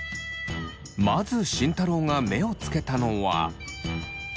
まず慎太郎が目をつけたのは。